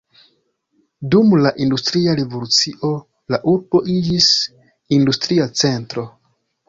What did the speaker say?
Dum la industria revolucio la urbo iĝis industria centro.